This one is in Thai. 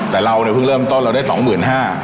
แต่เราเนี่ยเพิ่งเริ่มต้นเราได้๒๕๐๐บาท